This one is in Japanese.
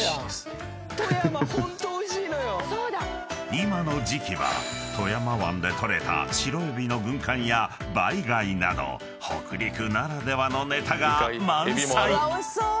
［今の時季は富山湾で捕れた白海老の軍艦やバイ貝など北陸ならではのねたが満載！］